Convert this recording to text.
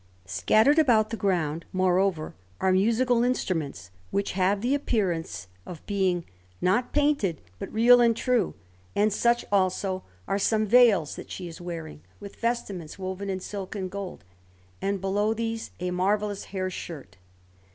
Scattered about the ground, moreover, are musical instruments, which have the appearance of being, not painted, but real and true; and such, also, are some veils that she is wearing, with vestments woven in silk and gold, and, below these, a marvellous hair shirt.